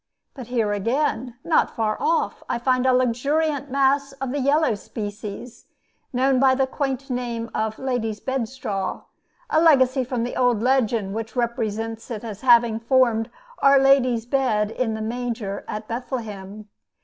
But here again, not far off, I find a luxuriant mass of the yellow species, known by the quaint name of "lady's bedstraw," a legacy from the old legend which represents it as having formed Our Lady's bed in the manger at Bethlehem.